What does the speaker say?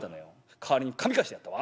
代わりにかみ返してやったわ。